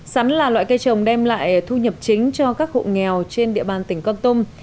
sắn là loại cây trồng đem lại thu nhập chính cho các hộ nghèo trên địa bàn tỉnh con tum